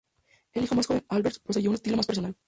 El hijo más joven, Albrecht, poseyó un estilo más personal.